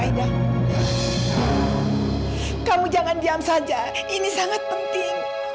kamu jangan diam saja ini sangat penting